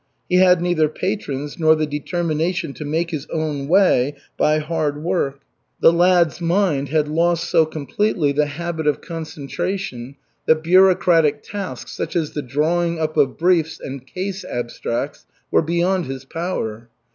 He had neither patrons nor the determination to make his own way by hard work. The lad's mind had lost so completely the habit of concentration that bureaucratic tasks such as the drawing up of briefs and case abstracts were beyond his power.